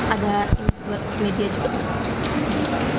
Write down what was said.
ada ini buat media juga